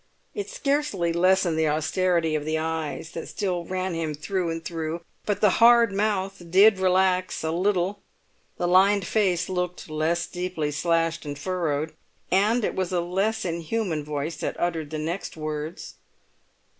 It scarcely lessened the austerity of the eyes that still ran him through and through; but the hard mouth did relax a little; the lined face looked less deeply slashed and furrowed, and it was a less inhuman voice that uttered the next words.